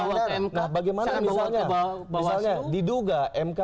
saya akan bawa ke mk